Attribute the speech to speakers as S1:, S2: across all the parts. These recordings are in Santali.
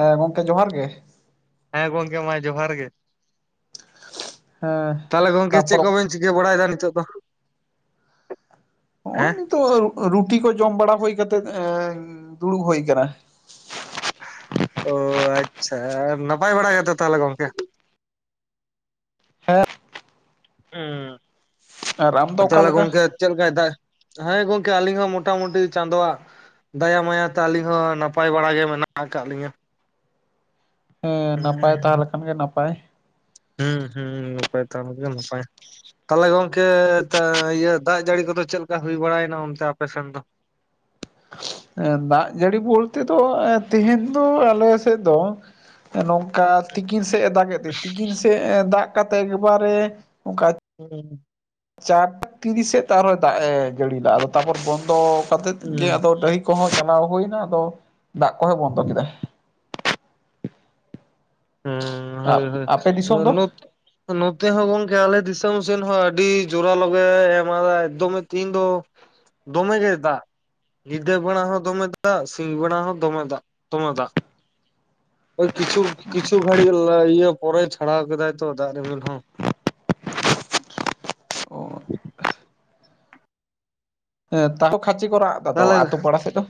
S1: ᱦᱮᱸ ᱜᱚᱝᱠᱮ ᱡᱚᱦᱟᱨ ᱜᱮ᱾
S2: ᱦᱮᱸ ᱜᱚᱝᱠᱮ ᱢᱟ ᱡᱚᱦᱟᱨ ᱜᱮ,
S1: ᱦᱮᱸ
S2: ᱛᱟᱦᱚᱞᱮ ᱜᱚᱝᱠᱮ ᱪᱮᱫ
S1: ᱛᱟᱯᱚᱨ
S2: ᱠᱚᱵᱮᱱ ᱪᱤᱠᱟᱹ ᱵᱟᱲᱟᱭᱮᱫᱟ ᱱᱤᱛᱚᱜ ᱫᱚ?
S1: ᱦᱚᱜᱼᱚᱭ
S2: ᱦᱮᱸ
S1: ᱱᱤᱛᱚᱜ ᱨᱩᱴᱤ ᱠᱚ ᱡᱚᱢ ᱵᱟᱲᱟ ᱦᱩᱭ ᱠᱟᱛᱮᱫ ᱮ ᱫᱩᱲᱩᱵ ᱦᱩᱭ ᱟᱠᱟᱱᱟ᱾
S2: ᱚ ᱟᱪᱪᱷᱟ, ᱱᱟᱯᱟᱭ ᱵᱟᱲᱟ ᱜᱮᱛᱚ ᱛᱟᱦᱚᱞᱮ ᱜᱚᱝᱠᱮ? ᱦᱚᱸ,
S1: ᱟᱨ ᱟᱢ
S2: ᱟ
S1: ᱫᱚ
S2: ᱛᱟᱦᱞᱮ
S1: ᱚᱠᱟᱞᱮᱠᱟ
S2: ᱜᱚᱝᱠᱮ ᱪᱮᱫ ᱞᱮᱠᱟᱭ ᱫᱟᱭ ᱦᱮᱸ ᱜᱚᱝᱠᱮ ᱟᱹᱞᱤᱧ ᱦᱚᱸ ᱢᱳᱴᱟᱢᱩᱴᱤ ᱪᱟᱸᱫᱳᱣᱟᱜᱼᱼ ᱫᱟᱭᱟ ᱢᱟᱭᱟ ᱛᱮ ᱟᱹᱞᱤᱧ ᱦᱚᱸ ᱱᱟᱯᱟᱭ ᱵᱟᱲᱟ ᱜᱮ ᱢᱮᱱᱟᱜ ᱟᱠᱟᱫ ᱞᱤᱧᱟᱹ ᱾
S1: ᱦᱮᱸ ᱱᱟᱯᱟᱭ ᱛᱟᱦᱚᱞᱮ ᱠᱷᱟᱱ ᱜᱮ ᱱᱟᱯᱟᱭ᱾
S2: ᱦᱩᱸ ᱦᱩᱸ ᱱᱟᱯᱟᱭ ᱛᱟᱦᱮ [unintelligible] ᱜᱮ ᱱᱟᱯᱟᱭ ᱾ ᱛᱟᱦᱚᱞᱮ ᱜᱚᱝᱠᱮ ᱤᱭᱟᱹ ᱫᱟᱜ ᱡᱟᱹᱲᱤ ᱠᱚᱫᱚ ᱪᱮᱫᱞᱮᱠᱟ ᱦᱩᱭ ᱵᱟᱲᱟᱭᱮᱱᱟ ᱚᱱᱛᱮ ᱟᱯᱮ ᱥᱮᱱ ᱫᱚ?
S1: ᱮ ᱫᱟᱜ ᱡᱟᱹᱲᱤ ᱵᱚᱞᱛᱮ ᱫᱚ ᱮ ᱛᱮᱦᱮᱧ ᱫᱚ ᱟᱞᱮ ᱥᱮᱫ ᱫᱚ ᱱᱚᱝ ᱠᱟ ᱛᱤᱠᱤᱱ ᱥᱮᱫ ᱮ ᱫᱟᱜᱮᱫ ᱛᱟᱦᱤᱡ ᱛᱤᱠᱤᱱ ᱥᱮᱫ ᱫᱟᱜ ᱠᱟᱛᱮ ᱮᱠᱵᱟᱨᱮ ᱚᱝᱠᱟ
S2: [inaudible]
S1: ᱪᱟᱨ ᱛᱤᱨᱤᱥ ᱥᱮᱫ ᱟᱨᱦᱚᱸ ᱫᱟᱜ ᱮ ᱡᱟᱹᱲᱤᱞᱟᱜ-ᱟ ᱟᱫᱚ ᱛᱟᱨᱯᱚᱨ ᱵᱚᱱᱫᱚ ᱠᱟᱛᱮᱮᱫ ᱜᱮ ᱟᱫᱚ ᱰᱟᱹᱦᱤ ᱠᱚᱦᱚᱸ ᱪᱟᱞᱟᱣ ᱦᱩᱭ ᱱᱟ ᱟᱫᱚ ᱫᱟᱜ ᱠᱚᱦᱚᱸᱭ ᱵᱚᱱᱫᱚ ᱠᱮᱫᱟᱭ᱾
S2: [unintelligible] ᱦᱳᱭ
S1: ᱟᱯᱮ ᱫᱤᱥᱚᱢ
S2: ᱦᱳᱭ
S1: ᱫᱚ
S2: ᱱᱚᱛᱮ ᱦᱚᱸ ᱜᱚᱝᱠᱮ ᱟᱞᱮ ᱫᱤᱥᱚᱢ ᱥᱮᱱ ᱦᱚᱸ ᱟᱹᱰᱤ ᱡᱳᱚᱨᱟᱞᱚᱜᱮ ᱮᱢᱟᱫᱟᱭ ᱮᱠᱫᱚᱢᱮ ᱛᱮᱦᱤᱧ ᱫᱚ ᱫᱚᱢᱮ ᱜᱮ ᱫᱟᱜ ᱾ ᱧᱤᱫᱟᱹ ᱵᱮᱲᱟ ᱦᱚᱸ ᱫᱚᱢᱮ ᱫᱟᱜ ᱥᱤᱧ ᱵᱮᱲᱟ ᱦᱚᱸ ᱫᱚᱢᱮ ᱫᱟᱜ ᱫᱚᱢᱮ ᱫᱟᱜ ᱾ ᱳᱭ ᱠᱤᱪᱷᱩ ᱠᱤᱪᱷᱩ ᱜᱷᱟᱹᱲᱤᱡ ᱤᱭᱟᱹ ᱯᱚᱨᱮ ᱪᱷᱟᱲᱟᱣ ᱠᱮᱫᱟᱭ ᱛᱚ ᱫᱟᱜ ᱨᱤᱢᱤᱞ ᱦᱚᱸ᱾ [unintelligible]
S1: ᱦᱮᱸ ᱛᱟᱣ ᱠᱷᱟᱪᱤ ᱠᱚ ᱨᱟᱜ ᱫᱟ ᱛᱚ
S2: ᱛᱟᱦᱚᱞᱮ
S1: ᱟᱛᱳ ᱯᱟᱲᱟ ᱥᱮᱫ ᱫᱚ?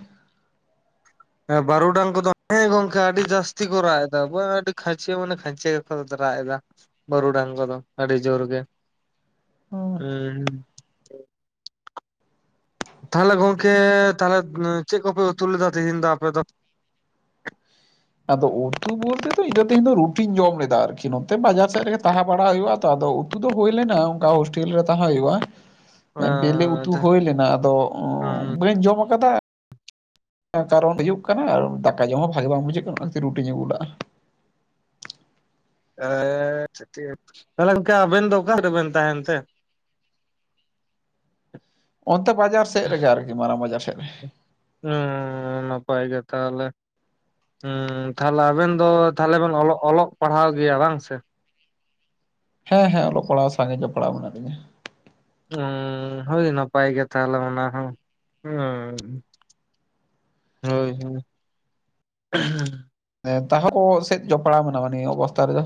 S2: ᱵᱟᱹᱨᱩᱰᱟᱝ ᱠᱚᱫᱚ ᱦᱮᱸ ᱜᱚᱝᱠᱮ ᱟᱹᱰᱤ ᱡᱟᱹᱥᱛᱤ ᱠᱚ ᱨᱟᱜ ᱮᱫᱟ ᱟᱹᱰᱤ ᱠᱷᱟᱹᱪᱮ ᱢᱟᱱᱮ ᱠᱷᱟᱹᱪᱮ ᱜᱮᱠᱚ ᱨᱟᱜ ᱮᱫᱟ᱾ ᱵᱟᱨᱩᱰᱟᱝ ᱠᱚᱫᱚ ᱟᱹᱰᱤ ᱡᱳᱨ ᱜᱮ
S1: ᱦᱮᱸ
S2: ᱦᱩᱸ᱾ ᱛᱟᱦᱚᱞᱮ ᱜᱚᱝᱠᱮ, ᱛᱟᱦᱚᱞᱮ ᱪᱮᱫ ᱠᱚᱯᱮ ᱩᱛᱩ ᱞᱮᱫᱟ ᱛᱮᱦᱮᱧ ᱫᱚ ᱟᱯᱮ ᱫᱚ?
S1: ᱟᱫᱚ ᱩᱛᱩ ᱵᱚᱞᱛᱮ ᱫᱚ ᱤᱧ ᱫᱚ ᱛᱮᱦᱮᱧ ᱫᱚ ᱨᱩᱴᱤᱧ ᱡᱚᱢ ᱞᱮᱫᱟ ᱟᱨᱠᱤ ᱱᱚᱛᱮ ᱵᱟᱡᱟᱨ ᱥᱮᱫ ᱨᱮᱜᱮ ᱛᱟᱦᱮᱸ ᱵᱟᱲᱟ ᱦᱩᱭᱩᱜᱼᱟ ᱛᱚ, ᱟᱫᱚ ᱩ ᱩᱛᱩ ᱫᱚ ᱦᱳᱭ ᱞᱮᱱᱟ ᱚᱱᱠᱟ ᱦᱳᱥᱴᱮᱞ ᱨᱮ ᱛᱟᱦᱮᱸ ᱦᱩᱭᱩᱜᱼᱟ᱾ ᱵᱮᱞᱮ
S2: ᱮᱸᱻ
S1: ᱩᱛᱩ ᱦᱩᱭ ᱞᱮᱱᱟ, ᱟᱫᱚ
S2: ᱦᱩᱸ
S1: ᱵᱟᱹᱧ ᱡᱚᱢ ᱟᱠᱟᱫᱟ ᱾ ᱠᱟᱨᱚᱱ ᱦᱩᱭᱩᱜ ᱠᱟᱱᱟ ᱫᱟᱠᱟ ᱡᱚᱢ ᱦᱚᱸ ᱵᱷᱟᱜᱤ ᱵᱟᱝ ᱵᱩᱡᱷᱟᱹᱜ ᱠᱟᱱᱟ ᱚᱱᱟ ᱠᱷᱹᱛᱤᱨ ᱨᱩᱴᱤᱧ ᱟᱹᱜᱩ ᱞᱟᱜᱼᱟ᱾
S2: ᱟᱪᱷᱟ ᱴᱷᱤᱠ, ᱛᱟᱦᱚᱞᱮ ᱜᱚᱢᱠᱮ ᱟᱵᱮᱱ ᱫᱚ ᱚᱠᱟ ᱨᱮᱵᱮᱱ ᱛᱟᱦᱮᱱ ᱛᱮ?
S1: ᱚᱱᱛᱮ ᱵᱟᱡᱟᱨ ᱥᱮᱫ ᱨᱮᱜᱮ ᱟᱨᱠᱤ, ᱢᱟᱨᱟᱝ ᱵᱟᱡᱟᱨ ᱥᱮᱫ ᱨᱮ ᱾
S2: ᱦᱩᱸ ᱱᱟᱯᱟᱭ ᱜᱮ ᱛᱟᱦᱚᱞᱮ ᱾ ᱦᱩᱸ ᱛᱟᱦᱚᱞᱮ ᱟᱵᱮᱱ ᱫᱚ ᱛᱟᱦᱚᱞᱮ ᱵᱮᱱ ᱚᱞᱜ ᱚᱞᱚᱜ ᱯᱟᱲᱦᱟᱣ ᱜᱮᱭᱟ ᱵᱟᱝ ᱥᱮ?
S1: ᱦᱮᱸ ᱦᱮᱸ, ᱚᱞᱚᱜ ᱯᱟᱲᱦᱟᱜ ᱥᱟᱝᱜᱮ ᱯᱟᱲᱦᱟᱣ ᱢᱮᱱᱟᱜ ᱞᱤᱧᱟᱹ ᱾
S2: ᱦᱩᱸ ᱦᱳᱭ ᱱᱟᱯᱟᱭ ᱜᱮ ᱛᱟᱦᱚᱞᱮ ᱚᱱᱟ ᱦᱚᱸ ᱦᱩᱸ ᱾ ᱦᱳᱭ ᱦᱳᱭ᱾
S1: [unintelligible] ᱠᱚ ᱥᱮᱫ ᱡᱯᱲᱟᱟᱣ ᱢᱮᱱᱟᱢᱟ ᱱᱤᱭᱟᱹ ᱚᱵᱚᱥᱛᱟ ᱨᱮ ᱫᱚ?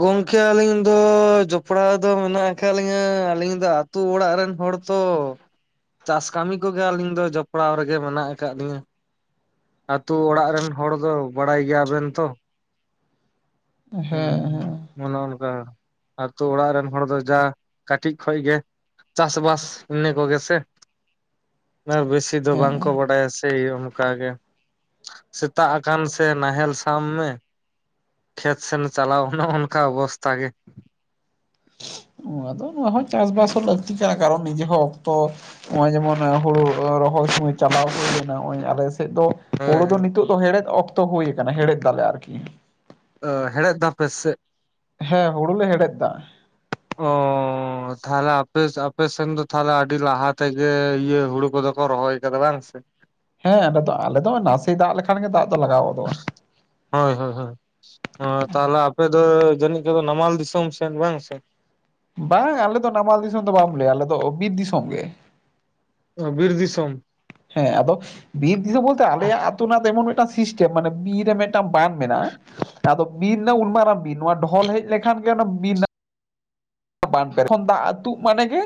S2: ᱜᱚᱝᱠᱮ ᱟᱹᱞᱤᱧ ᱫᱚ ᱡᱚᱯᱲᱟᱣ ᱫᱚ ᱢᱮᱱᱟᱜ ᱟᱠᱟᱫ ᱞᱤᱧᱟ, ᱟᱹᱞᱤᱧ ᱫᱚ ᱟᱛᱩ ᱚᱲᱟᱜ ᱨᱮᱱ ᱦᱚᱲ ᱛᱚ᱾ ᱪᱟᱥ ᱠᱟᱹᱢᱤ ᱠᱚᱜᱮ ᱟᱹᱞᱤᱧ ᱫᱚ ᱡᱚᱯᱲᱟᱣ ᱨᱮᱜᱮ ᱢᱮᱱᱟᱜ ᱟᱠᱟᱫ ᱞᱤᱧᱟ᱾ ᱟᱹᱛᱩ ᱚᱲᱟᱜ ᱨᱮᱱ ᱦᱚᱲ ᱫᱚ ᱵᱟᱲᱟᱭ ᱜᱮᱭᱟ ᱵᱮᱱ ᱛᱚ᱾
S1: ᱦᱮᱸ ᱦᱮᱸ᱾
S2: ᱚᱱᱮ ᱚᱱᱠᱟ, ᱟᱹᱛᱩ ᱚᱲᱟᱜ ᱨᱮᱱ ᱦᱚᱲ ᱫᱚ ᱡᱟ ᱠᱟᱹᱴᱤᱡ ᱠᱷᱚᱱ ᱜᱮ ᱪᱟᱥᱵᱟᱥ ᱤᱱᱟᱹ ᱠᱚᱜᱮ ᱥᱮ, ᱟᱨ ᱵᱮᱥᱼᱼ ᱫᱚ ᱵᱟᱝ ᱠᱚ
S1: ᱦᱮᱸ
S2: ᱵᱟᱰᱟᱭᱟ ᱥᱮᱭ ᱚᱱᱠᱟ ᱜᱮ ᱾ ᱥᱮᱛᱟᱜ ᱟᱠᱟᱱ ᱥᱮ ᱱᱟᱦᱮᱞ ᱥᱟᱢ ᱢᱮ - ᱠᱷᱮᱛ ᱥᱮᱱ ᱪᱟᱞᱟᱣ ᱚᱱᱮ ᱚᱱᱠᱟ ᱚᱵᱚᱥᱛᱛᱟ ᱜᱮ᱾
S1: ᱟᱫᱚ ᱱᱚᱶᱟ ᱦᱚᱸ ᱪᱟᱥ ᱵᱟᱥ ᱦᱚᱸ ᱞᱟᱹᱠᱛᱤ ᱠᱟᱱᱟ ᱠᱟᱨᱚᱱ ᱱᱤᱡᱮ ᱦᱚᱸ ᱚᱠᱛᱚ ᱱᱚᱜᱼᱚᱭ ᱡᱮᱢᱚᱱ ᱦᱩᱲᱩ ᱨᱚᱦᱚᱭ ᱥᱚᱢᱚᱭ ᱦᱚᱸ ᱪᱟᱞᱟᱣ ᱦᱩᱭ ᱞᱮᱱᱟ, ᱱᱚᱜᱼᱚᱭ ᱟᱞᱮ ᱥᱮᱫ ᱫᱚ
S2: ᱦᱳᱭ
S1: ᱦᱩᱲᱩ ᱫᱚ
S2: ᱦᱳᱭ
S1: ᱱᱤᱛᱚᱜ ᱫᱚ ᱦᱮᱲᱦᱮᱫ ᱚᱠᱛᱚ ᱦᱩᱭ ᱟᱠᱟᱱᱟ ᱦᱮᱲᱦᱮᱫ ᱫᱟᱞᱮ ᱟᱨᱠᱤ ᱾
S2: ᱟᱹᱻ ᱦᱮᱲᱮᱫ ᱫᱚ ᱟᱯᱮ ᱥᱮᱜ?
S1: ᱦᱮᱸ ᱦᱩᱲᱩ ᱞᱮ ᱦᱮᱲᱮᱫ ᱮᱫᱟ ᱾
S2: ᱚ, ᱚ ᱛᱟᱦᱚᱞᱮ ᱟᱯᱮᱥ ᱟᱯᱮᱥᱮᱱ ᱫᱚ ᱛᱟᱦᱮᱞᱮ ᱟᱹᱰᱤ ᱞᱟᱦᱟ ᱛᱮᱜᱮ ᱤᱭᱟᱹ ᱦᱩᱲᱩ ᱠᱚᱫᱚ ᱠᱚ ᱨᱚᱦᱚᱭ ᱟᱠᱟᱫᱟ ᱵᱟᱝ ᱥᱮ?
S1: ᱦᱮᱸ ᱟᱰᱚ ᱫᱚ ᱟᱞᱮ ᱫᱚ ᱱᱟᱥᱮ ᱫᱟᱜ ᱞᱮᱠᱷᱟᱱ ᱜᱮ ᱫᱟᱜ ᱫᱚ ᱞᱟᱜᱟᱣ ᱜᱚᱫᱚᱜᱼᱟ ᱾
S2: ᱦᱳᱭ ᱦᱳᱭ ᱦᱳᱭ᱾ ᱦᱚᱸ ᱛᱟᱦᱚᱞᱮ ᱟᱯᱮ ᱫᱚ ᱡᱟᱹᱱᱤᱡ ᱠᱚᱫᱚ ᱱᱟᱢᱟᱞ ᱫᱤᱥᱚᱢ ᱥᱮᱱ ᱵᱟᱝ ᱥᱮ?
S1: ᱵᱟᱝ ᱟᱞᱮ ᱫᱚ ᱱᱟᱢᱟᱞ ᱫᱤᱥᱚᱢ ᱫᱚ ᱵᱟᱢ ᱞᱟᱹᱭᱟ, ᱟᱞᱮ ᱫᱚᱼᱚᱜ ᱵᱤᱨ ᱫᱤᱥᱚᱢ ᱜᱮ ᱾
S2: ᱚᱦ ᱵᱤᱨ ᱫᱤᱥᱚᱢ?
S1: ᱦᱮᱸ ᱟᱫᱚ ᱵᱤᱨ ᱫᱤᱥᱳᱢ ᱵᱚᱞᱛᱮ ᱟᱞᱮᱭᱟᱜ ᱟᱹᱛᱳ ᱨᱮᱱᱟᱜ ᱫᱚ ᱮᱢᱚᱱ ᱢᱤᱫᱴᱟᱝ ᱥᱤᱥᱴᱟᱹᱢ ᱢᱟᱱᱮ ᱵᱤᱨ ᱨᱮ ᱢᱮᱫ- ᱴᱟᱝ ᱵᱟᱸᱫᱽ ᱢᱮᱱᱟᱜᱼᱟ ᱾ ᱟᱫᱚ ᱵᱤᱨ ᱨᱮᱱᱟᱜ ᱩᱱ ᱢᱟᱨᱟᱝ ᱵᱤᱨ, ᱱᱚᱣᱟ ᱰᱷᱚᱞ ᱦᱮᱡ ᱞᱮᱱᱠᱷᱟᱱ ᱜᱮ ᱚᱱᱟ ᱵᱤᱨ ᱨᱮᱱᱟᱜ ᱵᱟᱸᱫᱽ ᱵᱮᱱᱟᱜ, ᱛᱚᱠᱷᱚᱱ ᱫᱟᱜ ᱟᱹᱛᱩᱜ ᱢᱟᱱᱮ ᱜᱮ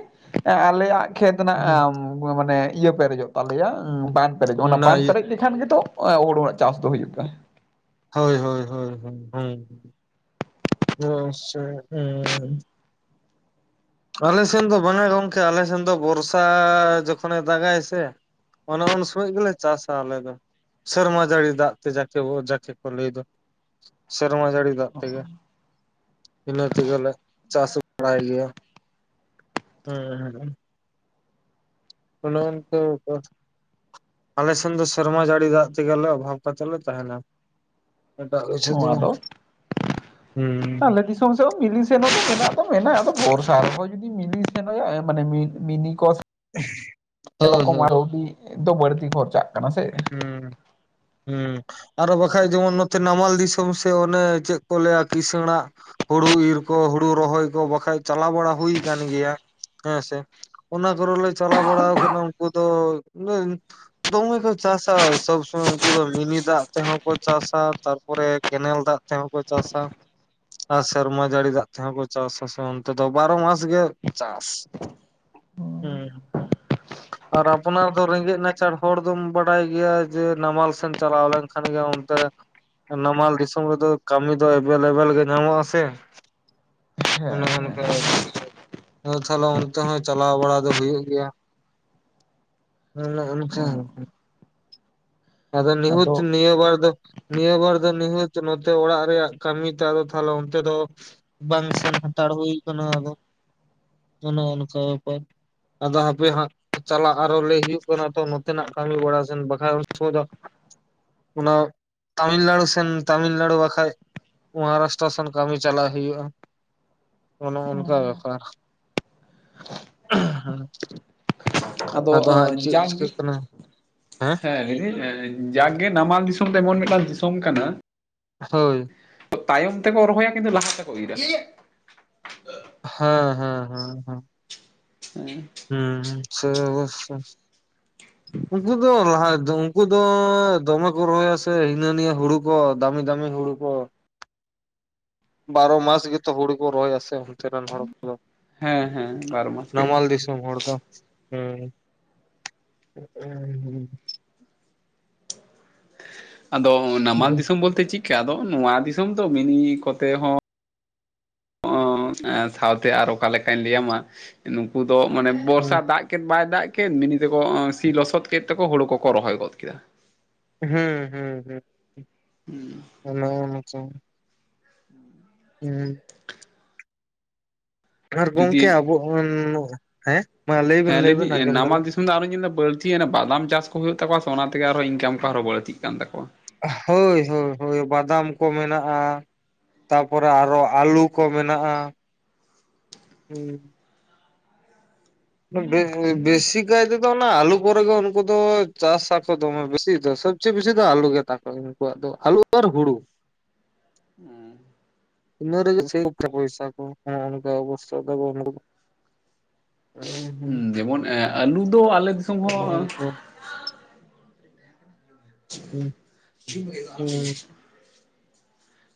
S1: ᱮᱸ ᱟᱞᱮᱭᱟᱜ ᱠᱷᱮᱛ ᱨᱮᱱᱟᱜ ᱟᱻᱢ ᱩᱸ ᱢᱟᱹ ᱢᱟᱱᱮ ᱤᱭᱟᱹ ᱯᱮᱨᱮᱡᱽᱼᱚᱜ ᱛᱟᱞᱮᱭᱟ, ᱵᱟᱱ ᱯᱮᱨᱮᱡ, ᱚᱱᱟ ᱵᱟᱱ ᱯᱮᱨᱮᱡ ᱞᱮ- ᱠᱷᱟᱱ ᱜᱮᱛᱚ ᱳᱸ ᱦᱩᱲᱩ ᱨᱮᱱᱟᱜ ᱪᱟᱥ ᱫᱚ ᱦᱩᱭᱩᱜ ᱯᱮ ᱾
S2: ᱦᱳᱭ ᱦᱳᱭ ᱦᱳᱭ ᱦᱚᱭ, ᱦᱩᱸ ᱦᱩᱸ [unintelligible] ᱟᱞᱮ ᱥᱮᱱ ᱫᱚ ᱵᱟᱝᱼᱟᱭ ᱜᱚᱝᱠᱮ, ᱟᱞᱮ ᱥᱮᱱ ᱫᱚ ᱵᱚᱨᱥᱟ ᱡᱚᱠᱷᱚᱱᱼᱮ ᱫᱟᱜᱽᱼᱟᱭ ᱥᱮ ᱚᱱᱮ ᱩᱱ ᱥᱚᱢᱚᱡ ᱜᱮᱞᱮ ᱪᱟᱥᱼᱟ ᱟᱞᱮ ᱫᱚ ᱾ ᱥᱮᱨᱢᱟ ᱡᱟᱹᱲᱤ ᱫᱟᱜ ᱛᱮ ᱡᱟᱠᱮ ᱵᱚ ᱡᱟᱠᱮ ᱠᱚ ᱞᱟᱹᱭ ᱫᱚ, ᱥᱮᱨᱢᱟ ᱡᱟᱹᱲᱤ ᱫᱟᱜ ᱛᱮᱜᱮ ᱤᱱᱟᱹ ᱛᱮᱜᱮᱞᱮ ᱪᱟᱥ ᱵᱟᱲᱟᱭ ᱜᱮᱭᱟ ᱾ ᱦᱩᱸ ᱦᱩᱸ᱾ ᱚᱱᱮ ᱚᱱᱛᱮ ᱩᱯᱚᱨ ᱟᱞᱮ ᱥᱮᱱ ᱫᱚ ᱥᱮᱨᱢᱟ ᱡᱟᱹᱲᱤ ᱫᱟᱜ ᱛᱮᱜᱮ ᱞᱮ ᱚᱵᱷᱟᱵᱽ ᱠᱟᱛᱮ ᱞᱮ ᱛᱟᱦᱮᱸᱱᱟ ᱾ ᱮᱴᱟᱜ ᱠᱤᱪᱷᱩ ᱫᱚ ᱵᱟᱝ᱾ ᱦᱩᱸ
S1: ᱛᱟ ᱞᱟᱹᱜᱤᱫ ᱥᱚᱢ ᱥᱮᱫ ᱦᱚᱸ ᱢᱤᱞᱤ ᱥᱮᱱ ᱦᱚᱸᱛᱚ ᱢᱮᱱᱟᱜ ᱫᱚ ᱢᱮᱱᱟᱜ, ᱟᱫᱚ ᱵᱚᱨᱥᱟ ᱨᱮᱦᱚᱸ ᱡᱩᱫᱤ ᱢᱤᱱᱤ ᱥᱮᱱ ᱦᱳᱭᱳᱜᱼᱟ ᱮᱸ ᱢᱟᱱᱮ ᱢᱤ ᱢᱤᱱᱤ ᱠᱚᱥ
S2: ᱦᱳᱭ
S1: ᱥᱮᱨᱚᱠᱚᱢ
S2: ᱦᱳᱭ
S1: ᱟᱹᱣᱰᱤ ᱫᱚ ᱵᱟᱹᱲᱛᱤ ᱠᱷᱚᱨᱪᱟᱜ ᱠᱟᱱᱟ ᱥᱮ ᱾
S2: ᱦᱩᱸ ᱦᱩᱸ ᱟᱨᱚ ᱵᱟᱠᱷᱟᱡ ᱡᱮᱢᱚᱱ ᱱᱚᱛᱮ ᱱᱟᱢᱟᱞ ᱫᱤᱥᱚᱢ ᱥᱮᱜ ᱚᱱᱮ ᱪᱮᱫ ᱠᱚ ᱞᱟᱹᱭᱼᱟ ᱠᱤᱥᱟᱹᱬᱟᱜ ᱦᱩᱲᱩ ᱤᱨ ᱠᱚ, ᱦᱩᱲᱩ ᱨᱚᱦᱚᱭ ᱠᱚ ᱵᱟᱠᱷᱟᱡ ᱪᱟᱞᱟᱣ ᱵᱟᱲᱟ ᱦᱩᱭ ᱟᱠᱟᱱ ᱜᱮᱭᱟ, ᱦᱮᱸᱥᱮ ᱾ ᱚᱱᱟ ᱠᱚᱨᱮ ᱦᱚᱸᱞᱮ ᱪᱟᱞᱟᱣ ᱵᱟᱲᱟᱣ ᱠᱟᱱᱟ ᱩᱱᱠᱩ ᱫᱚ, ᱩᱱᱟᱹᱝ ᱫᱚᱝ ᱜᱮᱠᱚ ᱪᱟᱥᱼᱟ, ᱥᱚᱵᱽ ᱥᱩᱢᱚᱭ ᱩᱝᱠᱩ ᱫᱚ ᱢᱤᱱᱤ ᱫᱟᱜ ᱛᱮᱦᱚᱸ ᱠᱚ ᱪᱟᱥᱼᱟ ᱛᱟᱨᱯᱚᱨᱮ ᱠᱮᱱᱮᱞ ᱫᱟᱜ ᱛᱮᱦᱚᱸ ᱠᱚ ᱪᱟᱥᱼᱟ ᱾ ᱟᱨ ᱥᱮᱨᱢᱟ ᱡᱟᱹᱲᱤ ᱫᱟᱜ ᱛᱮᱦᱚᱸ ᱠᱚ ᱪᱟᱥᱼᱟ, ᱥᱮ ᱚᱱᱛᱮ ᱫᱚ ᱵᱟᱨᱚ ᱢᱟᱥ ᱜᱮ ᱪᱟᱥ ᱾ ᱩᱸ ᱦᱩᱸ᱾ ᱟᱨ ᱟᱯᱱᱟᱨ ᱫᱚ ᱨᱮᱸᱜᱽᱮᱡ ᱱᱟᱪᱟᱨ ᱦᱚᱲ ᱫᱚᱢ ᱵᱟᱰᱟᱭ ᱜᱮᱭᱟ ᱡᱮ ᱱᱟᱢᱟᱞ ᱥᱮᱱ ᱪᱟᱞᱟᱣ ᱞᱮᱱᱠᱷᱟᱱ ᱜᱮ ᱚᱱᱛᱮ ᱨᱮ ᱱᱟᱢᱟᱞ ᱫᱤᱥᱚᱢ ᱨᱮᱫᱚ ᱠᱟᱹᱢᱤ ᱫᱚ ᱮᱵᱷᱮᱭᱞᱮᱵᱮᱞ ᱜᱮ ᱧᱟᱢᱚᱜᱼᱟ ᱥᱮ ᱾ ᱚᱱᱮ ᱚᱱᱠᱟ [unintelligible] ᱟᱫᱚ ᱛᱟᱦᱮᱞᱮ ᱚᱱᱛᱮ ᱦᱚᱸ ᱪᱟᱞᱟᱣ ᱵᱟᱲᱟ ᱫᱚ ᱦᱩᱭᱩᱜ ᱜᱮᱭᱟ ᱾ ᱚᱱᱮ ᱚᱱᱠᱟ ᱦᱩᱸᱦ᱾ ᱟᱫᱚ ᱱᱤᱦᱩᱪ ᱱᱤᱭᱟᱹ ᱵᱟᱨ ᱫᱚ ᱱᱤᱭᱟᱹ ᱵᱟᱨ ᱫᱚ ᱱᱤᱦᱟᱹᱪ ᱱᱚᱛᱮ ᱚᱲᱟᱜ ᱨᱮᱭᱟᱜ ᱠᱟᱹᱢᱤ ᱛᱮ ᱛᱟᱦᱚᱞᱮ ᱚᱱᱛᱮ ᱫᱚ ᱵᱟᱝ ᱥᱮᱱ ᱦᱟᱸᱛᱟᱲ ᱦᱩᱭ ᱟᱠᱟᱱᱟ ᱟᱫᱚ ᱚᱱᱮ ᱚᱱᱠᱟ ᱵᱮᱯᱟᱨ᱾ ᱟᱫᱚ ᱦᱟᱯᱮ ᱦᱟᱸᱜ ᱪᱟᱞᱟᱜ ᱟᱨᱦᱚᱸ ᱞᱮ ᱦᱩᱭᱩᱜ ᱠᱟᱱᱟ ᱛᱚ ᱱᱚᱛᱮᱱᱟᱜ ᱠᱟᱹᱢᱤ ᱵᱟᱲᱟ ᱥᱮᱱ ᱵᱟᱠᱷᱟᱱ ᱛᱚ ᱫᱟᱢ, ᱚᱱᱟ ᱛᱟᱹᱢᱤᱞᱱᱟᱹᱲᱩ ᱥᱮᱱ ᱛᱟᱹᱢᱤᱞᱱᱟᱹᱲᱩ ᱵᱟᱠᱷᱟᱡ ᱢᱚᱦᱟᱨᱟᱥᱴᱟᱨᱟ ᱥᱮᱱ ᱠᱟᱹᱢᱤ ᱪᱟᱞᱟᱣ ᱦᱩᱭᱩᱜᱼᱟ ᱾ ᱚᱱᱮ ᱚᱱᱠᱟ ᱵᱮᱯᱟᱨ [unintelligible] ᱦᱮᱸ᱾
S1: ᱟᱫᱚ ᱚᱸ ᱮᱠᱡᱟᱢ ᱜᱮ, ᱦᱮᱸ [unintelligible] ᱡᱟᱜᱮ ᱱᱟᱢᱟᱞ ᱫᱤᱥᱚᱢ ᱫᱚ ᱮᱢᱚᱱ ᱢᱤᱫᱴᱟᱝ ᱫᱤᱥᱚᱢ ᱠᱟᱱᱟ᱾
S2: ᱦᱳᱭ᱾
S1: ᱛᱟᱭᱚᱢ ᱛᱮᱠᱚ ᱨᱚᱦᱚᱭᱟ ᱠᱤᱱᱛᱩ ᱞᱟᱦᱟ ᱛᱮᱠᱚ ᱤᱨᱟ᱾
S2: ᱦᱮᱸ ᱦᱮᱸ ᱦᱮᱸ ᱦᱮᱸ᱾
S1: ᱦᱮᱸ,
S2: ᱦᱩᱸ ᱦᱩᱸ ᱥᱮ ᱚᱵᱚᱥᱥᱚᱭ᱾
S1: [inaudible]
S2: ᱩᱱᱠᱩ ᱫᱚ ᱞᱟᱦᱟ ᱛᱮᱫᱚ ᱩᱱᱠᱩ ᱫᱚ ᱫᱚᱢᱮ ᱠᱚ ᱨᱚᱦᱚᱭᱟ ᱥᱮ ᱦᱤᱱᱟᱹᱱᱤᱭᱟᱹ ᱦᱩᱲᱩ, ᱠᱚ ᱫᱟᱹᱢᱤ ᱫᱟᱹᱢᱤ ᱦᱩᱲᱩ ᱠᱚ᱾ ᱵᱟᱨᱚ ᱢᱟᱥ ᱜᱮᱛᱚ ᱦᱩᱲᱩ ᱠᱚ ᱨᱚᱦᱚᱭᱟ ᱥᱮ ᱚᱱᱛᱮ ᱨᱮᱱ ᱦᱚᱲ ᱠᱚᱫᱚ᱾
S1: ᱦᱮᱸ ᱦᱮᱸ ᱵᱟᱨᱚ ᱢᱟᱥ ᱜᱮ᱾
S2: ᱟᱫᱚᱢ ᱦᱚᱲ ᱫᱚ ᱦᱮᱸ [unintelligible]
S1: ᱟᱫᱚ ᱱᱟᱢᱟᱞ ᱫᱤᱥᱟᱹᱢ ᱵᱚᱞᱛᱮ ᱪᱮᱜ ᱠᱟ ᱟᱫᱚ ᱱᱚᱣᱟ ᱫᱤᱥᱟᱹᱢ ᱫᱚ ᱢᱤᱱᱤ ᱠᱚᱛᱮ ᱦᱚᱸ ᱚᱸ ᱮᱸ ᱥᱟᱶᱛᱮ ᱟᱨ ᱚᱠᱟ ᱞᱮᱠᱟᱧ ᱞᱟᱹᱭᱟᱢᱟ ᱱᱩᱠᱩ ᱫᱚ ᱢᱟᱱᱮ, ᱵᱚᱨᱥᱟ
S2: ᱦᱩᱸ
S1: ᱫᱟᱜᱽ ᱠᱮᱫ ᱵᱟᱭ ᱫᱟᱜᱽ ᱠᱮᱫ ᱢᱤᱱᱤ ᱛᱮᱠᱚ ᱚᱸ ᱥᱤ ᱞᱚᱥᱚᱫ ᱠᱮᱫ ᱛᱮᱠᱚ ᱦᱩᱲᱩ ᱠᱚᱠᱚ ᱨᱚᱦᱚᱭ ᱜᱚᱫ ᱠᱮᱫᱟ᱾
S2: ᱦᱮᱸ ᱦᱮᱸ ᱦᱮᱸ ᱦᱮᱸ᱾
S1: ᱩᱸ
S2: ᱚᱱᱟᱦᱚᱸ ᱚᱱᱮᱪᱚᱝ, ᱦᱩᱸ, ᱟᱨ ᱜᱚᱝᱠᱮ
S1: ᱡᱩᱫᱤ
S2: ᱟᱵᱚ ᱦᱚᱸ ᱦᱮᱸ ᱢᱟ ᱞᱟᱹᱭ ᱵᱮᱱ ᱞᱟᱹᱭ ᱵᱮᱱ ᱟᱸᱡᱚᱢ ᱫᱟᱞᱤᱧ᱾
S1: ᱩᱱ ᱫᱚ ᱟᱨᱚᱧ ᱧᱮᱞ ᱫᱟ ᱵᱟᱹᱲᱛᱤᱭᱮᱱᱟ ᱵᱟᱫᱟᱢ ᱪᱟᱥ ᱠᱚ ᱦᱩᱭᱩᱜ ᱛᱟᱠᱚᱣᱟ ᱥᱮ ᱚᱱᱟᱛᱮ ᱟᱨᱦᱚᱸ ᱤᱱᱠᱟᱢ ᱠᱚ ᱟᱨᱦᱚᱸ ᱵᱟᱹᱲᱛᱤᱜ ᱠᱟᱱ ᱛᱟᱠᱚᱣᱟ᱾
S2: ᱦᱳᱭ ᱦᱳᱭ ᱦᱳᱭ ᱵᱟᱫᱟᱢ ᱠᱚ ᱢᱮᱱᱟᱜᱼᱟ᱾ ᱛᱟᱯᱚᱨᱮ ᱟᱨᱚ ᱟᱹᱞᱩ ᱠᱚ ᱢᱮᱱᱟᱜᱼᱟ ᱦᱩᱸ᱾ ᱵᱮ ᱵᱮᱥᱤᱠᱟᱭ ᱛᱮᱫᱚ ᱚᱱᱟ ᱟᱞᱩ ᱠᱚᱨᱮ ᱜᱮ ᱩᱱᱠᱩ ᱫᱚ ᱪᱟᱥᱟ ᱠᱚ ᱫᱚᱢᱮ ᱵᱮᱥᱤ ᱫᱚ ᱥᱚᱵ ᱵᱮᱥᱤ ᱫᱚ ᱟᱞᱩ ᱜᱮᱛᱟ ᱠᱚ ᱩᱱᱠᱩᱣᱟᱜ ᱫᱚ ᱟᱞᱩ ᱟᱨ ᱦᱩᱲᱩ᱾
S1: ᱮᱸ,
S2: ᱤᱱᱟᱹ ᱨᱮᱜᱮ [unintelligible] ᱯᱚᱭᱥᱟ ᱠᱚ ᱦᱮᱸ ᱚᱱᱠᱟ ᱟᱵᱚ ᱥᱟᱣᱫᱟ [unintelligible]
S1: ᱦᱩᱸ ᱡᱮᱢᱚᱱ ᱮᱸ ᱟᱞᱩ ᱫᱚ ᱟᱞᱮ ᱫᱤᱥᱟᱹᱢ
S2: ᱦᱩᱸ
S1: ᱦᱚᱸ, [unintelligible] ᱟᱞᱚᱢ [unintelligible]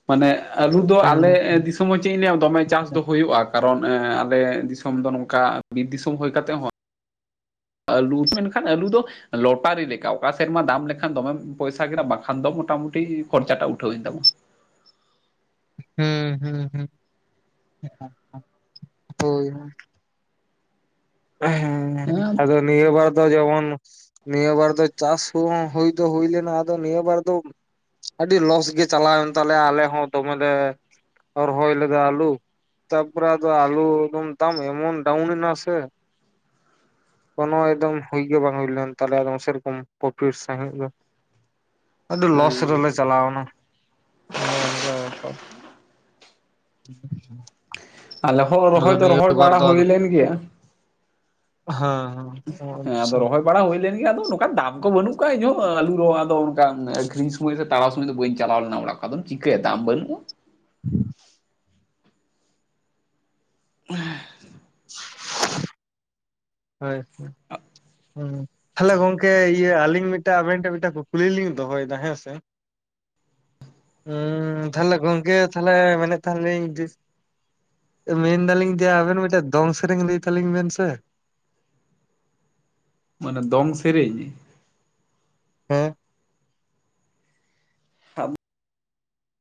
S1: ᱢᱟᱱᱮ ᱟᱞᱩ ᱫᱚ ᱟᱞᱮ
S2: ᱦᱩᱸ
S1: ᱫᱤᱥᱚᱢ ᱦᱚᱸ ᱪᱮᱜ ᱤᱧ ᱞᱟᱹᱭᱟ ᱫᱚᱢᱮ ᱪᱟᱥ ᱫᱚ ᱦᱩᱭᱩᱜᱼᱟ᱾ ᱠᱟᱨᱚᱱ ᱮᱸ ᱟᱞᱮ ᱫᱤᱥᱚᱢ ᱫᱚ ᱱᱚᱝᱠᱟ ᱵᱤᱨ ᱫᱤᱥᱚᱢ ᱦᱩᱭ ᱠᱟᱛᱮᱜ ᱦᱚᱸ, ᱟᱹᱞᱩ ᱢᱮᱱᱠᱷᱟᱱ ᱟᱹᱞᱩ ᱫᱚ, ᱞᱚᱴᱟᱨᱤ ᱞᱮᱠᱟ ᱚᱠᱟ ᱥᱮᱨᱢᱟ ᱫᱟᱢ ᱞᱮᱠᱷᱟᱱ ᱫᱚᱢᱮᱢ ᱯᱚᱭᱥᱟ ᱠᱮᱫᱟ, ᱵᱟᱠᱷᱟᱱ ᱫᱚ ᱢᱚᱴᱟᱢᱩᱴᱤ ᱠᱷᱚᱨᱪᱟᱴᱟᱜ ᱩᱴᱷᱟᱹᱣᱮᱱ ᱛᱟᱢᱟ᱾
S2: ᱦᱩᱸ ᱦᱩᱸ ᱦᱩᱸ᱾ ᱚᱠᱟ [unintelligible] ᱦᱳᱭ ᱦᱳᱭ᱾ ᱦᱮᱸ ᱦᱮᱸ, ᱟᱫᱚ ᱱᱤᱭᱟᱹ ᱵᱟᱨ ᱫᱚ ᱡᱮᱢᱚᱱ ᱱᱤᱭᱟᱹ ᱵᱟᱨ ᱫᱚ ᱪᱟᱥ ᱠᱩᱦᱚᱸ ᱦᱩᱭ ᱫᱚ ᱦᱩᱭ ᱞᱮᱱᱟ ᱟᱫᱚ ᱱᱤᱭᱟᱹ ᱵᱟᱨ ᱫᱚ ᱟᱹᱰᱤ ᱞᱚᱥ ᱜᱮ ᱪᱟᱞᱟᱣᱮᱱ ᱛᱟᱞᱮᱭᱟ ᱟᱞᱮ ᱦᱚᱸ ᱫᱚᱢᱮᱞᱮ ᱨᱚᱦᱚᱭ ᱞᱮᱫᱚ ᱟᱹᱞᱩ ᱛᱟᱨᱯᱚᱨᱮ ᱟᱫᱚ ᱟᱹᱞᱩ ᱮᱠᱫᱚᱢ ᱫᱟᱢ ᱮᱢᱚᱱ ᱰᱟᱣᱩᱱ ᱮᱱᱟᱥᱮ, ᱠᱳᱱᱳ ᱮᱠᱫᱚᱢ ᱦᱩᱭ ᱜᱮ ᱵᱟᱝ ᱦᱩᱭ ᱞᱮᱱ ᱛᱟᱞᱮᱭᱟ, ᱥᱮᱨᱚᱠᱚᱢ ᱯᱨᱚᱯᱷᱤᱴ ᱥᱟᱺᱦᱤᱜ ᱫᱚ᱾ ᱟᱹᱰᱤ ᱞᱚᱥ
S1: ᱦᱮᱸ
S2: ᱨᱮᱞᱮ ᱪᱟᱞᱟᱣᱱᱟ ᱚᱱᱮ ᱚᱱᱠᱟ ᱵᱮᱯᱟᱨ᱾ [inaudible]
S1: ᱟᱞᱮ ᱦᱚᱸ
S2: ᱟᱫᱚ
S1: ᱨᱚᱦᱚᱭ ᱫᱚ
S2: ᱱᱤᱭᱟᱹ
S1: ᱨᱚᱦᱚᱭ
S2: ᱵᱟᱨ
S1: ᱵᱟᱲᱟ ᱦᱩᱭ ᱞᱮᱱ ᱜᱮᱭᱟ᱾
S2: ᱦᱚᱭ ᱦᱚᱸ᱾
S1: ᱦᱮᱸ ᱟᱫᱚ ᱨᱚᱦᱚᱭ ᱵᱟᱲᱟ ᱦᱩᱭ ᱞᱮᱱ ᱜᱮᱭᱟ ᱟᱫᱚ ᱱᱚᱝᱠᱟ ᱫᱟᱢ ᱠᱚ ᱵᱟᱹᱱᱩᱜ ᱠᱚᱜᱼᱟ ᱤᱧᱦᱚᱸ ᱟᱹᱞᱩ ᱨᱚᱦᱚᱭ ᱟᱫᱚ ᱚᱱᱠᱟ ᱟᱹᱠᱷᱨᱤᱧ ᱥᱚᱢᱚᱭ ᱨᱮ, ᱛᱟᱲᱟᱣ ᱥᱚᱢᱚᱡ ᱫᱚ ᱵᱟᱹᱧ ᱪᱟᱞᱟᱣ ᱞᱮᱱᱟ ᱚᱲᱟᱜ ᱠᱷᱚᱜ ᱟᱫᱚᱢ ᱪᱤᱠᱟᱹᱭᱟ ᱫᱟᱢ ᱵᱟᱹᱱᱩᱜᱼᱟ᱾
S2: [inaudible]
S1: [inaudible]
S2: ᱦᱳᱭ ᱾ ᱦᱩᱸ, ᱛᱟᱦᱚᱞᱮ ᱜᱚᱝᱠᱮ ᱤᱭᱟᱹ ᱟᱞᱤᱧ ᱢᱤᱫᱴᱟᱜ ᱟᱵᱮᱱ ᱴᱷᱮᱜ ᱢᱤᱫᱴᱮᱱ ᱠᱩᱠᱞᱤ ᱞᱤᱧ ᱫᱚᱦᱚᱭᱮᱫᱟ ᱦᱮᱸᱥᱮ ᱾
S1: ᱦ
S2: ᱦᱮᱸ ᱛᱟᱦᱚᱞᱮ ᱜᱚᱝᱠᱮ ᱛᱟᱦᱚᱞᱮ ᱢᱮᱱ ᱮ ᱛᱟᱦᱮᱱᱤᱧ ᱢᱮᱱᱫᱟᱞᱤᱧ ᱡᱮ ᱟᱵᱮᱱ ᱢᱤᱫᱴᱮᱡ ᱫᱚᱝ ᱥᱮᱨᱮᱧ ᱞᱟᱹᱭ ᱛᱟᱞᱤᱧ ᱵᱮᱱ ᱥᱮ ᱾
S1: ᱢᱟᱱᱮ ᱫᱚᱝ ᱥᱮᱨᱮᱧ?
S2: ᱦᱮᱸ ᱾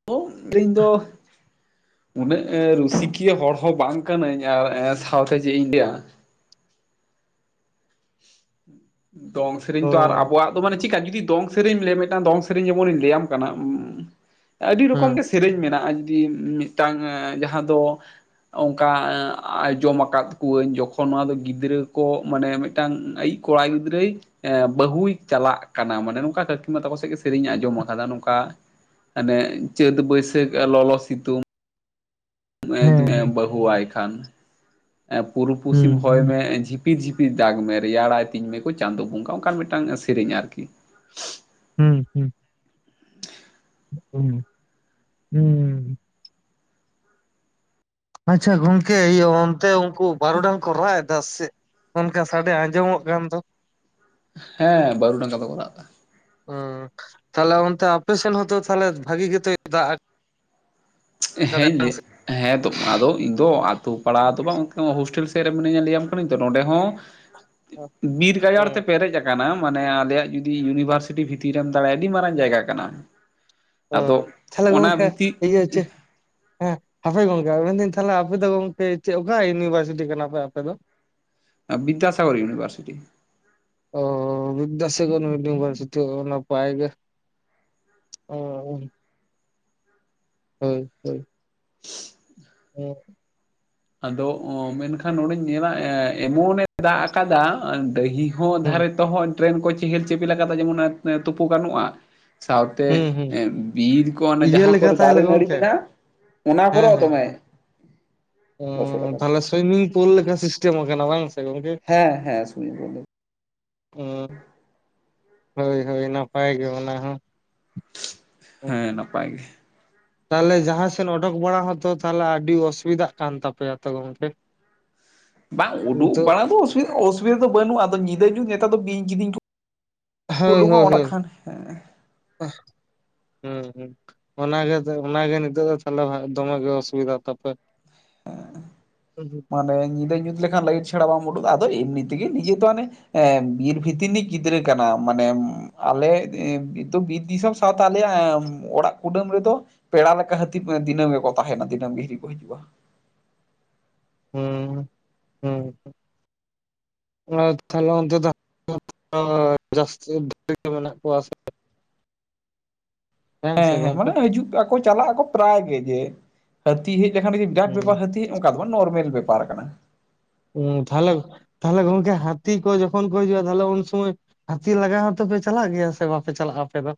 S1: ᱫᱚᱝ ᱥᱮᱨᱮᱧ ᱫᱚ ᱩᱱᱟᱹᱜ ᱨᱩᱥᱤᱠᱤᱭᱟᱹ ᱦᱚᱲ ᱦᱚᱸ ᱵᱟᱝ ᱠᱟᱹᱱᱟᱹᱧ ᱟᱨ ᱥᱟᱶᱛᱮ ᱪᱮᱜ ᱤᱧ ᱞᱟᱹᱭᱟ! ᱫᱚᱝ ᱥᱮᱨᱮᱧ
S2: ᱚ
S1: ᱛᱚ ᱟᱨ ᱟᱵᱚᱣᱟᱜ ᱫᱚ ᱢᱟᱱᱮ ᱪᱮᱫᱠᱟ ᱡᱩᱫᱤ ᱫᱚᱝ ᱥᱮᱨᱮᱧ ᱞᱟᱹᱭᱟ ᱢᱤᱫᱴᱟᱝ ᱫᱚᱝ ᱥᱮᱨᱮᱧ ᱡᱮᱢᱚᱱᱤᱧ ᱞᱟᱹᱭᱟᱢ ᱠᱟᱱᱟ ᱟᱹᱰᱤ ᱨᱚᱠᱚᱢ
S2: ᱦᱮᱸ
S1: ᱜᱮ ᱥᱮᱨᱮᱧ ᱢᱮᱱᱟᱜᱼᱟ, ᱡᱩᱫᱤ ᱢᱤᱫᱴᱟᱝ ᱡᱟᱦᱟᱸ ᱫᱚ ᱚᱝᱠᱟ ᱟᱸᱡᱚᱢ ᱟᱠᱟᱫ ᱠᱩᱣᱟᱹᱧ ᱡᱚᱠᱷᱚᱱ ᱱᱚᱣᱟ ᱫᱚ ᱜᱤᱫᱽᱨᱟᱹ ᱠᱚ ᱢᱟᱱᱮ ᱢᱤᱫ ᱴᱟᱝ ᱟᱭᱤᱡ ᱠᱚᱲᱟ ᱜᱤᱫᱽᱨᱟᱹᱭ ᱮ ᱵᱟᱹᱦᱩᱭ ᱪᱟᱞᱟᱜ ᱠᱟᱱᱟ ᱢᱟᱱᱮ ᱱᱚᱝᱠᱟ ᱠᱟᱹᱠᱤ ᱢᱟ ᱛᱟᱠᱚ ᱥᱮᱡ ᱜᱮ ᱥᱮᱨᱮᱧ ᱟᱸᱡᱚᱢ ᱟᱠᱟᱫᱟ, ᱱᱚᱝᱠᱟ ᱦᱟᱱᱮ ᱪᱟᱹᱛ ᱵᱟᱹᱭᱥᱟᱹᱠᱷ ᱞᱚᱞᱚ ᱥᱤᱛᱩᱝ
S2: ᱦᱮᱸ
S1: [inaudible] ᱵᱟᱹᱦᱩᱣᱟᱭ ᱠᱷᱟᱱ ᱮ ᱯᱩᱨᱩ
S2: ᱦᱩᱸ
S1: ᱯᱚᱥᱪᱤᱢ ᱦᱚᱭ
S2: ᱦᱩᱸ
S1: ᱢᱮ ᱡᱷᱤᱯ ᱯᱤᱨ ᱡᱷᱤᱯᱤᱨ ᱫᱟᱜᱽ ᱢᱮ ᱨᱮᱭᱟᱲᱟᱭ ᱛᱤᱧ ᱢᱮᱠᱚ ᱪᱟᱸᱫᱳ ᱵᱚᱸᱜᱟ ᱚᱝᱠᱟᱱ ᱢᱤᱫᱴᱟᱝ ᱥᱮᱨᱮᱧ ᱟᱨᱠᱤ ᱾
S2: ᱦᱩᱸ ᱦᱩᱸ ᱾ ᱦᱮᱸ, ᱦᱩᱸ ᱾ ᱟᱪᱪᱷᱟ ᱜᱚᱝᱠᱮ ᱤᱭᱟᱹ ᱚᱱᱛᱮ ᱩᱝᱠᱩ ᱵᱟᱨᱚᱰᱟᱝ ᱠᱚ ᱨᱟᱜ ᱮᱫᱟ ᱥᱮᱜ? ᱚᱱᱠᱟ ᱥᱟᱰᱮ ᱟᱸᱡᱚᱢᱚᱜ ᱠᱟᱱ ᱫᱚ!
S1: ᱦᱮᱸ ᱵᱟᱨᱩᱰᱟᱝ ᱟᱫᱚ ᱠᱚ ᱨᱟᱜᱫᱟ ᱾
S2: ᱦᱩᱸ, ᱛᱟᱦᱞᱮ ᱚᱱᱛᱮ ᱟᱯᱮᱥᱮᱱ ᱦᱚᱸᱛᱚ ᱛᱟᱦᱚᱞᱮ ᱵᱷᱟᱜᱤ ᱜᱮᱛᱚᱭ ᱫᱟᱜ ᱟᱠᱟᱫᱟᱭ
S1: ᱦᱮᱸᱧ
S2: ᱵᱟᱝ ᱥᱮ
S1: ᱞᱟᱹᱭᱮᱜ ᱦᱮᱸ ᱛᱚ ᱟᱫᱚ ᱤᱧᱫᱚ ᱟᱛᱳ ᱯᱟᱲᱟ ᱫᱚ ᱵᱟᱝ ᱜᱚᱝᱠᱮ ᱦᱳᱥᱴᱮᱞ ᱥᱮᱫ ᱨᱮ ᱢᱤᱱᱟᱹᱧᱟ ᱞᱮᱭᱟᱢ ᱠᱟᱹᱱᱟᱹᱧ ᱛᱚ ᱱᱚᱸᱰᱮ ᱦᱚᱸ ᱵᱤᱨ ᱜᱟᱡᱟᱲ ᱛᱮ
S2: ᱦᱮᱸ
S1: ᱯᱮᱨᱮᱡ ᱠᱟᱱᱟ ᱢᱟᱱᱮ ᱟᱞᱮᱭᱟᱜ ᱡᱩᱫᱤ ᱤᱭᱩᱱᱤᱵᱷᱟᱨᱥᱤᱴᱤ ᱵᱷᱤᱛᱤᱨ ᱨᱮᱢ ᱫᱟᱲᱮᱭᱟᱜᱟ ᱟᱹᱰᱤ ᱢᱟᱨᱟᱝ ᱡᱟᱭᱜᱟ ᱠᱟᱱᱟ ᱾ ᱟᱫᱚ ᱚᱱᱟ ᱵᱷᱤᱛᱤ
S2: ᱪᱮ ᱦᱮᱸ ᱾ ᱦᱟᱯᱮ ᱜᱚᱝᱠᱮ ᱟ ᱢᱮᱱᱫᱟᱹᱧ ᱛᱟᱦᱚᱞᱮ ᱟᱯᱮ ᱫᱚ ᱜᱚᱝᱠᱮ ᱪᱮᱫ ᱚᱠᱟ ᱤᱭᱩᱱᱤᱵᱷᱟᱨᱥᱤᱴᱤ ᱠᱟᱱᱟ ᱯᱮ ᱟᱯᱮ ᱫᱚ?
S1: ᱵᱤᱫᱫᱟᱥᱟᱜᱚᱨ ᱤᱭᱩᱱᱤᱵᱷᱟᱨᱥᱤᱴᱤ ᱾
S2: ᱚ ᱵᱤᱫᱫᱟᱥᱟᱜᱚᱨ ᱤᱭᱩᱱᱤᱵᱷᱟᱨᱥᱤᱴᱤ ᱚ ᱱᱟᱯᱟᱭ ᱜᱮ ᱾ ᱚ, ᱦᱳᱭ ᱦᱳᱭ ᱾ ᱦᱮᱸ ᱾
S1: ᱟᱫᱚ ᱚ ᱢᱮᱱᱠᱷᱟᱱ ᱱᱚᱸᱰᱮᱧ ᱧᱮᱞᱟ ᱮ ᱮᱢᱚᱱᱮ ᱫᱟᱜ ᱟᱠᱟᱫᱟ ᱰᱟᱹᱦᱤ ᱦᱚᱸ
S2: ᱦᱩᱸ
S1: ᱫᱷᱟᱨᱮ ᱛᱮᱦᱚ ᱰᱨᱮᱱ ᱠᱚ ᱪᱮᱦᱮᱞ ᱪᱮᱯᱮᱞ ᱟᱠᱟᱫᱟ ᱡᱮᱢᱚᱱ [inaudible] ᱛᱳᱯᱳ ᱜᱟᱱᱚᱜᱼᱟ ᱾ ᱥᱟᱶᱛᱮ
S2: ᱦᱩᱸ ᱦᱩᱸ
S1: ᱮ ᱵᱤᱨ ᱠᱚ ᱚᱱᱮ
S2: ᱤᱭᱟᱹ
S1: ᱡᱟᱦᱟᱸ
S2: ᱞᱮᱠᱟ
S1: ᱠᱚᱨᱮ
S2: ᱛᱟᱦᱞᱮ
S1: ᱫᱟᱨᱮ ᱱᱟᱹᱲᱤ
S2: ᱜᱚᱝᱠᱮ
S1: ᱢᱮᱱᱟᱜᱼᱟ, ᱚᱱᱟ ᱠᱚᱨᱮ
S2: ᱦᱮᱸ
S1: ᱦᱚᱸ
S2: ᱦᱮᱸ
S1: ᱫᱚᱢᱮ
S2: ᱦᱮᱸ
S1: ᱾
S2: ᱚ ᱛᱟᱦᱞᱮ ᱥᱩᱭᱢᱤᱝ ᱯᱩᱞ ᱞᱮᱠᱟ ᱥᱤᱥᱴᱮᱢ ᱟᱠᱟᱱᱟ ᱵᱟᱝ ᱥᱮ ᱜᱚᱝᱠᱮ!
S1: ᱦᱮᱸ ᱦᱮᱸ ᱥᱩᱨᱡ ᱵᱚᱱᱫᱷᱩ
S2: ᱦᱳᱭ ᱦᱳᱭ ᱱᱟᱯᱟᱭ ᱜᱮ ᱚᱱᱟ ᱦᱚᱸ
S1: ᱦᱮᱸ ᱱᱟᱯᱟᱭ ᱜᱮ
S2: ᱛᱟᱦᱚᱞᱮ ᱡᱟᱦᱟᱸᱥᱮᱱ ᱚᱰᱚᱠ ᱵᱟᱲᱟ ᱦᱚᱸᱛᱚ ᱛᱟᱦᱚᱞᱮ ᱟᱹᱰᱤ ᱚᱥᱩᱵᱤᱫᱟᱜ ᱠᱟᱱ ᱛᱟᱯᱮᱭᱟ ᱛᱚ ᱜᱚᱝᱠᱮ
S1: ᱵᱟᱝ ᱩᱰᱩᱠ
S2: ᱱᱤᱛᱚᱜ
S1: ᱵᱟᱲᱟ ᱫᱚ ᱚᱥᱩᱵᱤᱫᱟ ᱫᱚ ᱵᱟᱹᱱᱩᱜᱼᱟ ᱟᱫᱚ ᱧᱤᱫᱟᱹ ᱧᱩᱛ ᱱᱮᱛᱟᱨ ᱫᱚ ᱵᱤᱧ ᱠᱤᱫᱤᱧ ᱠᱩ
S2: ᱦᱳᱭ ᱦᱳᱭ ᱦᱳᱭ ᱦᱮᱸ ᱦᱮᱸ ᱚᱱᱟᱜᱮ ᱚᱱᱟᱜᱮ ᱱᱤᱛᱚᱜ ᱫᱚ ᱛᱟᱦᱚᱞᱮ ᱫᱚᱢᱮ ᱜᱮ ᱚᱥᱩᱵᱤᱫᱟ ᱛᱟᱯᱮ [unintelligible]
S1: ᱢᱟᱱᱮ ᱧᱤᱫᱟᱹ ᱧᱩᱛ ᱞᱮᱠᱷᱟᱱ ᱞᱟᱭᱤᱴ ᱪᱷᱟᱲᱟ ᱵᱟᱢ ᱩᱰᱩ ᱟᱫᱚ ᱮᱢᱱᱤᱛᱮᱜᱤ ᱱᱤᱡᱮ ᱛᱚ ᱦᱟᱱᱮ ᱮᱸ ᱵᱤᱨ ᱵᱷᱤᱛᱤᱨᱱᱤᱜ ᱜᱤᱫᱽᱨᱟᱹ ᱠᱟᱱᱟᱢ ᱢᱟᱱᱮ ᱟᱞᱮ ᱵᱤᱨ ᱫᱤᱥᱚᱢ ᱛᱚ ᱛᱟ ᱟᱞᱮᱭᱟᱜ ᱚᱲᱟᱜ ᱠᱩᱰᱟᱹᱢ ᱨᱮᱫᱚ ᱯᱮᱲᱟ ᱞᱮᱠᱟ ᱦᱟᱹᱛᱤ ᱫᱤᱱᱟᱹᱢ ᱜᱮᱠᱚ ᱛᱟᱦᱮᱱᱟ ᱫᱤᱱᱟᱹᱢ ᱜᱮ ᱦᱤᱨᱤ ᱠᱚ ᱦᱤᱡᱩᱜᱼᱟ
S2: ᱦᱩᱸ
S1: [unintelligible]
S2: ᱛᱟᱦᱞᱮ ᱚᱱᱛᱮ ᱫᱚ ᱡᱟᱹᱥᱛᱤ ᱵᱷ ᱢᱮᱱᱟᱜ ᱠᱚᱣᱟ ᱥᱮ
S1: [unintelligible]
S2: ᱥᱮ
S1: ᱦᱮᱸ ᱦᱮᱸ
S2: ᱜᱚᱝᱠᱮ?
S1: ᱢᱟᱱᱮ ᱦᱤᱡᱩᱜ ᱟᱠᱚ ᱪᱟᱞᱟᱜ ᱟᱠᱚ ᱯᱨᱟᱭ ᱜᱮ ᱡᱮ ᱦᱟᱹᱛᱤ ᱦᱮᱡ ᱞᱮᱠᱷᱟᱱ ᱵᱤᱨᱟᱴ
S2: ᱦᱩᱸ
S1: ᱵᱮᱯᱟᱨ ᱦᱟᱹᱛᱤ ᱚᱱᱠᱟ ᱫᱚ ᱵᱟᱝ ᱱᱚᱨᱢᱮᱞ ᱵᱮᱯᱟᱨ ᱠᱟᱱᱟ
S2: ᱛᱟᱦᱚᱞᱮ ᱛᱟᱦᱚᱞᱮ ᱜᱚᱢᱠᱮ ᱦᱟᱛᱤ ᱠᱚ ᱡᱚᱠᱷᱚᱱ ᱠᱚ ᱦᱤᱡᱩᱜ-ᱟ ᱛᱟᱦᱚᱞᱮ ᱩᱱ ᱥᱩᱢᱟᱹᱭ ᱦᱟᱹᱛᱤ ᱞᱟᱜᱟ ᱦᱚᱸᱛᱚᱯᱮ ᱪᱟᱞᱟᱜ ᱜᱮᱭᱟ ᱥᱮ ᱵᱟᱯᱮ ᱪᱟᱞᱟᱜᱼᱟ ᱟᱯᱮ ᱫᱚ